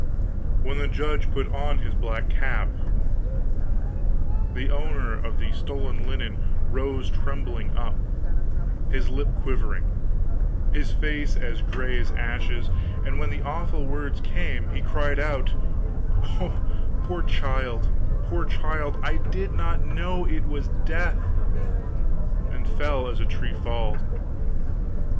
"When the judge put on his black cap, the owner of the stolen linen rose trembling up, his lip quivering, his face as gray as ashes; and when the awful words came, he cried out, 'Oh, poor child, poor child, I did not know it was death!' and fell as a tree falls.